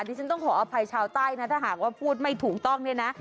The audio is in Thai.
ฉันต้องขออภัยชาวใต้นะถ้าหากว่าพูดไม่ถูกต้องเนี่ยนะ